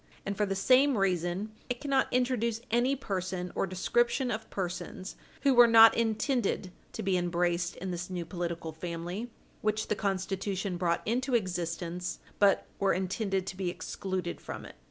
And, for the same reason, it cannot introduce any person or description of persons who were not intended to be embraced in this new political family which the Constitution brought into existence, but were intended to be excluded from it.